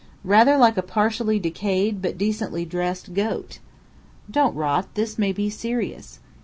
"Rather like a partially decayed but decently dressed goat." "Don't rot. This may be serious."